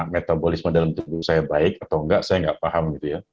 metabolisme dalam tubuh saya baik atau enggak saya enggak paham